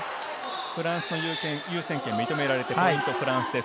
フランスの優先権が認められてポイントはフランスです。